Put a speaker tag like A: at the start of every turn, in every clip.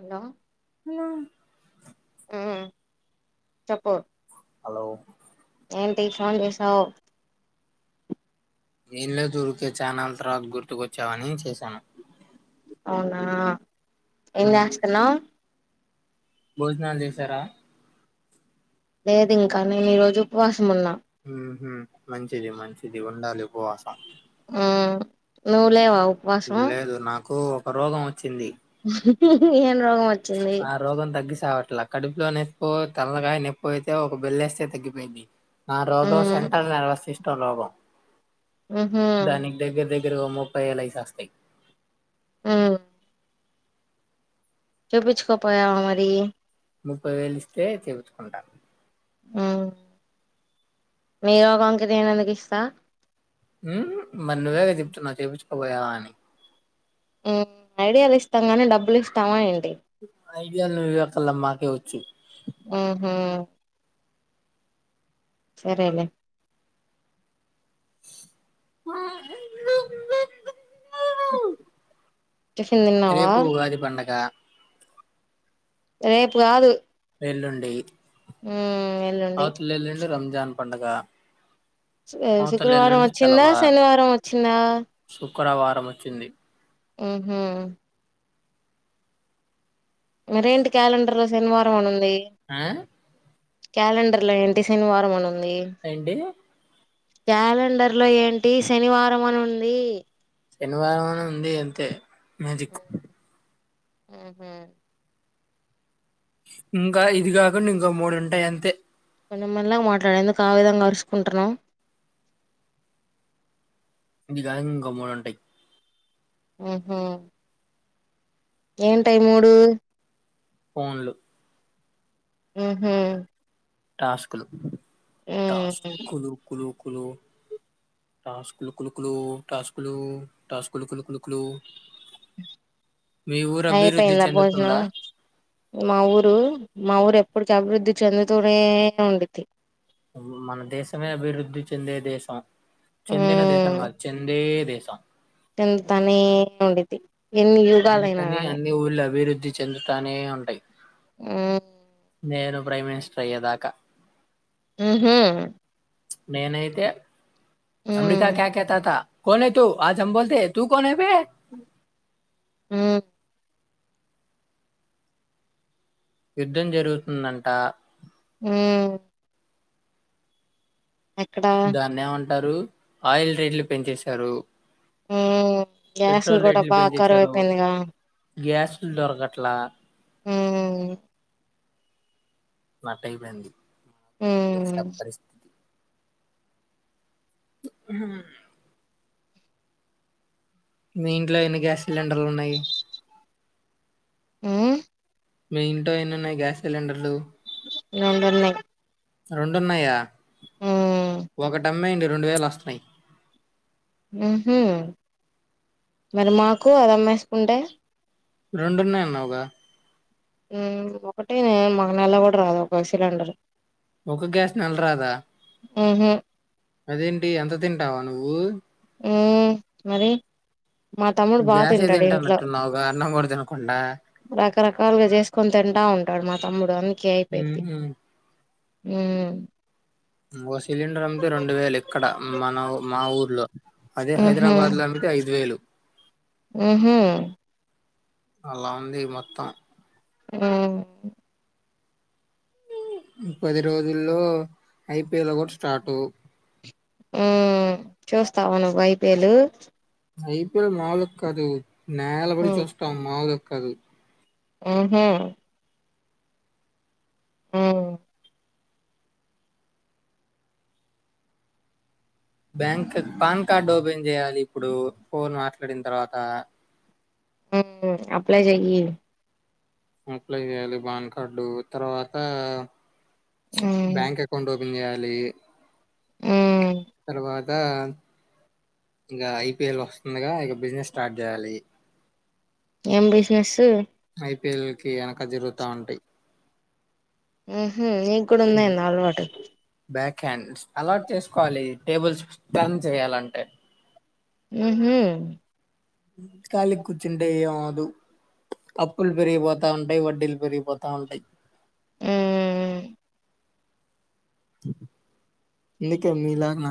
A: Hello
B: నా
A: ఆ చెప్పు
B: హలో
A: ఏంటి ఫోన్ చేసావు
B: ఏం లేదు ఉరికే చానా డేస్ తర్వాత గుర్తుకొచ్చావని చేశాను
A: అవునా ఏం చేస్తున్నావు
B: భోజనాలు చేసారా
A: లేదు ఇంకా నేను ఈ రోజు ఉపవాసం ఉన్నా
B: హు హ్మ్ మంచిది మంచిది ఉండాలి ఉపవాసం
A: ఉమ్ నువు లేవావు
B: లేదు నాకు రోగం వచ్చింది
A: ఏను
B: ఆ రోం తగ్గిసివట్ అట్లా కడుపులో నప్పి తల్లకాయ నొప్ప అయితే ఒక బెల్ళ వేస్తే తగ్గిపోయింది నా రోగం
A: ఉమ్
B: సెంటర్ల్ నిర్వసిస్తు తలాభం
A: ఆహా
B: గృహం ముప్పై ఏలైస్స్తతి
A: ఉమ్ చూపించుకోపోయా మరి
B: ముప్పై వేలు ఇస్తే చెబతుకుంటాను
A: ఉమ్ మీరు ఒకంక నేనుందుకు ఇస్తా
B: ఉమ్ మరి నువ్వే క తిప్తున్నావు చేపించుకపోయావా అని
A: ఐడియాలు ఇస్తాం గానీ డబ్బులు ఇస్తామా
B: ఐడియా ను ఇవతలమ్మాకవచ్చ చె
A: ఉహు సరేలే
B: ఆ
A: టిఫిన్ తిన్నావా
B: రేపు ఉగాది పండగ
A: రేపు కాదు
B: వెెల్లుండే
A: ఉమ్ ఎల్లుండి
B: ఆవత లే లేడి రమ్జ జాన్ పండుగ
A: శుక్రవారం వచ్చిందా శనివారం వచ్చిందా
B: శుక్రవారం వచ్చింది
A: ఆహా మరేంటి క్యాలెండర్ లో శనివారం అని ఉంది
B: ఆ
A: క్యాలెండర్ లో ఎంటి శని వారమనంది
B: ఏంటి
A: క్యాలెండర్ లో ఏంటి శనివారం అని ఉంది
B: ఎన్వైరామెంట్ ఉంది అంతే మ్యాజిక్
A: ఆహా
B: ఇంకా ఇది కాకుండా ఇంకా మూడుంటాయి అంతే
A: కొంచం మెలగా మాట్లాడు ఎందుకు ఆ విధంగా అరుసుకుంటున్నవ్
B: ఇంటికా ఇంకా మంటెక్
A: ఆహా ఏంటై మూడు
B: ఫోన్లు
A: ఊహు
B: టాస్కులు టాస్ కులు కులు కులు టాస్కులుకులుకులు టాస్కులు టాస్ కులుకులు కులుకులు
A: అయిపోయింద భోజనం మా ఊరు మా ఊరు ఎప్పటికి అభివృద్ధి చందుతూనే ఉండిది
B: మన దేశమే అభివృద్ధి చెందే దేశం చెందిన దేశంగాద్ చెందే దే ఇస
A: తెగుల్తనే ఉండిది
B: అందుకని అన్ని ఊళ్ళ అభివృద్ధి చెందుతనేే ఉంటయ్
A: ఊ
B: నేను ప్రైమ్ మినిస్టర్ అయ్యేదాక
A: ఊహు
B: నేనైతే
A: ఊమ్
B: అంబికా క్యా కతత కోనే తూ ఆ చంబోల్తే ఎతూ కోనే
A: ఊ
B: యుద్ధం జరుగుతుందంట
A: ఊ ఎక్కడ
B: నరు ఆయిల్ రేట్లు పెంచేశారు
A: ఊ గ్యాస్లు
B: పెట్రోల్
A: కూడా బాగా కరువయిపోయిందిగా
B: గ్యాస్ లు దొరకట్లా
A: ఊ
B: నట్టైపోంది నా ప్లేస్
A: హ్మ్.
B: ల పరిస్థితి ఉ ఊ మీ ఇంట్ల ఎన్ని గ్యాస్ సిలిండర్లు ఉన్నయ్
A: ఊ
B: మీ ఇంట్లో ఎన్ని ఉన్నాయి గ్యాస్ సిలిండర్లు
A: రెండు ఉన్నయ్
B: రొండున్నాయా ఒకటిమ్మాయిడి రెండు వేలు వస్తున్నాయి
A: మరి మాకు అది అమ్మేసుకుంటే
B: రెండున్నాన్నావుగా
A: ఒకట మగ నెల కూడా రాదు ఒక సిలిండర్
B: ఒక గ్యాస్ నెల రాదా
A: ఆహ
B: అదేంటి ఎంత తింటావా నువ్వు
A: ఆ మరి మా తమ్ముడు బాగా
B: గ్యాసే
A: తింటాడు ఇంట్లో
B: తింటానట్టున్నావుగా అన్నం కూడా తినకుండా.
A: రకరకాలుగా చేసుకొని తింటా ఉంటాడు మా తమ్ముడు అంత కే అయిపోయిద్ది
B: హుహు.
A: హ్మ్మ్
B: ఓ సిలిండర్ అమ్మితే ఇక్కడ మన మా ఊర్లో. అదే హైదరాబాద్ లో అమితే ఐదు వేలు
A: ఆహ
B: వాళ్ల నాన్నది మొత్తం
A: హమ్
B: పది రోజుల్లో ఐపీఎల్ కూడా స్టార్ట్
A: ఆ చూస్తావు నువ్వు ఐపిఎల్
B: ఐపీఎల్ నాలుగ్కదు నేల పడి చూస్తా అమ్ మా కాదు
A: అహా హ్మ్మ్
B: బ్యాంక్ పాన్ కార్డ్ ఒపెన్ చేయాలి ఇప్పుడు ఫోన్ మాట్లాడిన తర్వాత
A: అప్లై చెయ్యి
B: అప్లై చేయాలి పాన్ కార్డు తర్వాత
A: మ్మ్
B: బ్యాంక్ అకౌంట్ న్ చేయాలి
A: మ్మ్
B: తర్వాత్ ంక ఇంక ఐపిఎల్ వస్తుందిగా ఇగ బిజినెస్ స్టార్ట్ చేయాలి
A: ఏం బిజినెస్
B: ఐపీఎల్ కి వెనక జరుగుతా ఉంటాయి
A: ఆహ్ నీకు కూడా ఉందా ఏంది అలవాటు
B: ం అలాట్ చేసుకోవాలి టేబుల్స్ టన్ చేయాలంటే
A: ఉహూ
B: ఖాళీగ్ కూర్చుంటే ఏమవదు అప్పులు పెరిగిపోతా ఉంటాయి వడ్డీలు పెరిగిపోతా ఉంటాయి.
A: ఆ
B: నీకా మీలాగనా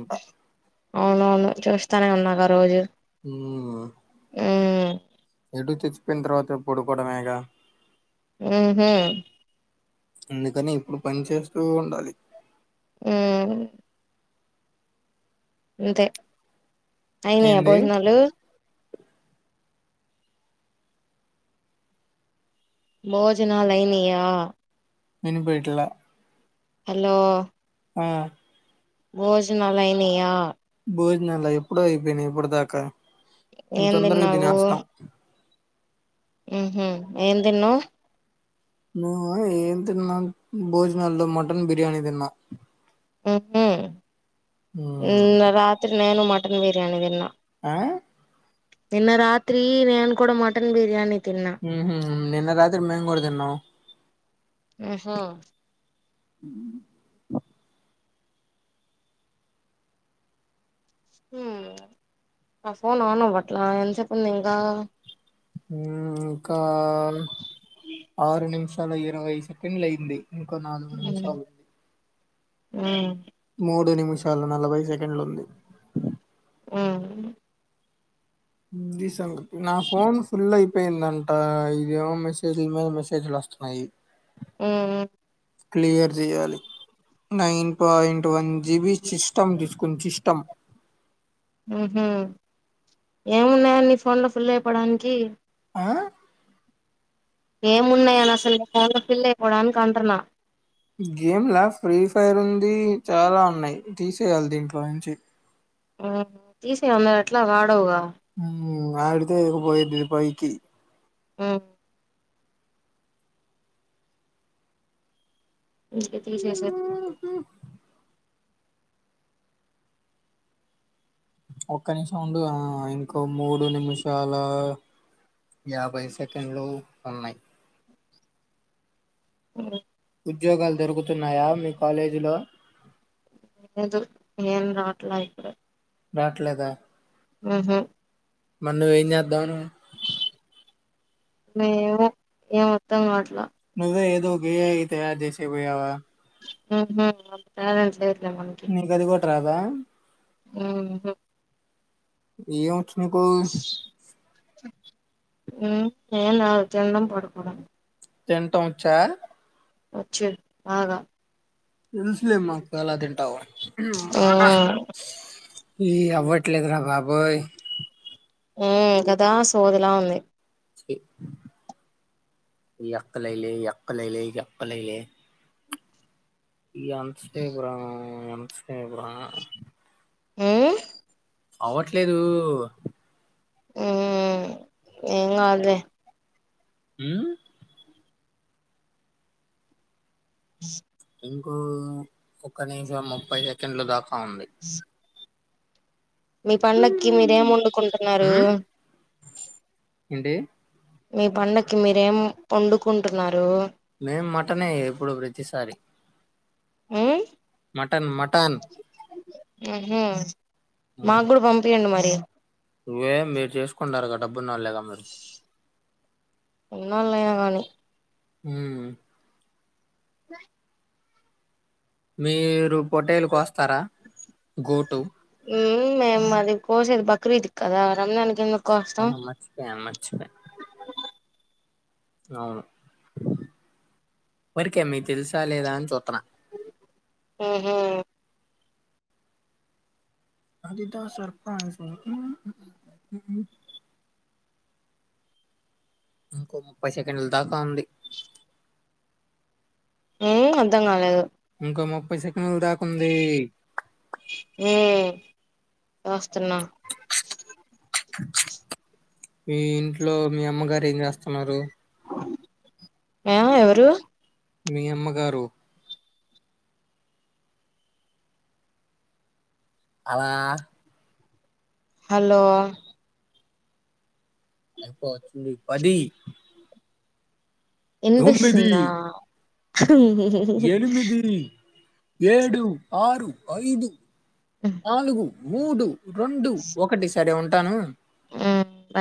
B: ఉంటా
A: అవునవును చూస్తానే ఉన్నాగా రోజు
B: ఉమ్.
A: ఉ
B: ఎటు చచ్చిపోయిన తర్వాత పొడుకోవడమేగా
A: హ్మ హ్మ
B: అందుకని ఇప్పుడు పని చేస్తూ ఉండాలి
A: హ్మ అంతే అయినయా
B: ఏంది
A: భోజనాలు భోజనాలైనయా
B: వినిపిట్లే
A: హలో
B: ఆ
A: భోజనాలు అయినాయా
B: భోజనాల ఎప్పుడో అయిపోయినాయి ఇప్పుడు దాకా ఇ
A: ఏం
B: తొందరగా తినేస్తాం
A: హ్మ హ్మ ఏం తిన్నావ్
B: నువ్వ ఏం తిన్నాం భోజనాలల్లో మటన్ బిర్యానీ తిన్నా
A: ఉహూ
B: ఉమ్,
A: నిన్న రాత్రి నేను మట్ మట్టన్ బిర్యానీ తన్నా
B: ఆ
A: నిన్న రాత్రి నేన కూడా మటన్ బిర్యానీ తిన్నా
B: హ్మ హ్మ నిన్న రాత్రి మేం కూడా తిన్నాం
A: ఆహా
B: అ
A: హ్మ ఆ ఫోన్ ఆను బట్లా ఎంత సేపు ఉంది ఇంకా
B: హ్మ ఇంకా ఆరు నిమిష తలో ఇరవై సెకండ్లు అయింది ఇంకో నాలుగు నిమిషలు ఉంది
A: హ్మ
B: మూడు నిమిషాల నలభై సెకండ్లు ఉంది
A: హ్మ
B: ఇది సంగతి నా ఫోన్ ఫుల్ అయిపోయిందంట ఇదేమో మెసేజ్ల మీద మెసేజ్లు వస్తున్నాయి
A: హ్మ
B: క్లియర్ చెయాలి nine point one GB system తీసుకున్ సిస్టమ్
A: హుహు ఏమున్నాయా నీ ఫోన్ లో ఫుల్ అయిపోడానికి
B: ఆ
A: ఏమున్నాయ అని అసలు ఫోన్లో ఫిల్ అయిపోవడానికి అంటున్నా
B: గేమ్లా ఫ్రీ ఫైర్ ఉంది చాలా ఉన్నాయి తీసేయాలి దీంట్లో నుంచి
A: ఆ తీసే నువేట్లో వాడవుగా
B: హ ఆడితే పోయిది పయికి
A: ఆ ఇక తీసేసారు
B: ఉ హు ఒక్క నిమిషం అండి ఇంకో మూడు నిమిషాల యాభై సెకండ్లు ఉన్నాయి
A: అ
B: ఉద్యోగాలు దొరుకుతున్నాయా మీ కాలేజీలో
A: లేదు ఏం రాట్ల ఇక్కడ
B: రాట్లేదా
A: ఉహుమ్
B: మన్న ఎ లా
A: ఏమో ఏమర్థంకావట్లా
B: నువ్వే ఏదో గయయితే ఆజస గయవా
A: లేధు లేధు ఎవనకి
B: నీకది గూడా రాదా
A: ఆహ
B: ఏో నీకు
A: ఏం లేదు తినడం పడుకోవడం
B: తింటాం వచ్చా
A: వచ్చు బాగా
B: తెలుసులే మాకు ఎలా తింటావు
A: హ్మ్
B: ఈ అవ్వట్లేదురా బాబా బాబోయ్
A: ఆ కదా సోదిలా ఉంది
B: ఎక్కలైలే ఎక్కలైలే ఎక్కలైలే ఈగా ఎంతసేపు రా ఎంత సేపు రా
A: ఓయ్
B: అవట్లేదు
A: ఎం కాదులే
B: హు
A: అ
B: ఇంకో ఒక నిమిషము ముప్పై సెకండ్లు దాకా అవుంది
A: మీ పండకి మీరేం వండుకుంటున్నారు
B: హ్మ్? ఏంటి
A: మీ పండకి మీరేం వండుకుంటున్నారు
B: మేం మటన్ ఏ ఎప్పుడు ప్రతిసారి
A: హ్మ్
B: మటన్ మటన్
A: ఆహ నాక్కూడా పంపియండి మరి
B: ఏమ్ మీరు చేసుకున్నారు కద తినలగా మీరు
A: హలో
B: మ్మ్
A: తినాయ్ [unintelligible]
B: మీరు పొట్టేలు కోస్తారా గొటు
A: హ్మ్ మేము అది కోసేది బక్రీద్ కదా రంజాన్ కి ఎందుకు కోస్తాం
B: అవ్ మాల్ల మా అన్న వచ్చిండ అవును తెలుసా లేదా అని చెప్పాన
A: ఊహూ
B: అది టాస్ పార్ టాస్ పారు [unintelligible] ఇంకో ముప్పై సెకండ్ల దాకా ఉంది
A: ఏం అర్ధం కాలేదు
B: ఇంకా ముఫై సెక్ మూడ్ అప్ ఉంది
A: వస్తున్నా
B: మీ ఇంట్లో మీ అమ్మగారు ఏం చేస్తా మరి
A: ఆ ఎవరు
B: మీ అమ్మగారు అ
A: హలో
B: అయిపోయి వచ్చింది పది తొమ్మిది
A: వినిపిస్తుంద్ర
B: ఎనిమిది ఏడు ఆరు ఐదు నాలుగు మూడు రెండు ఒకటి సరే ఉండు ఉంటాను
A: ఆ